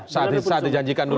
saat dijanjikan dulu